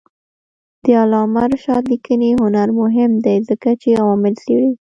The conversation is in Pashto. د علامه رشاد لیکنی هنر مهم دی ځکه چې عوامل څېړي.